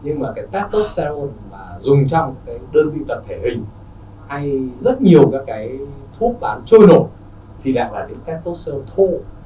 nhưng mà cái testosterone mà dùng trong cái đơn vị tật thể hình hay rất nhiều các cái thuốc bán trôi nổi thì lại là những testosterone thô